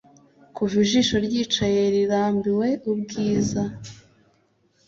Kuva ijisho ryicaye rirambiwe ubwiza